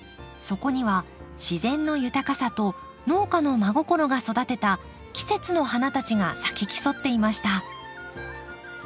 そこには自然の豊かさと農家の真心が育てた季節の花たちが咲き競っていました。